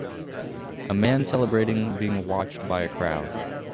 A man celebrating being watched by a crowd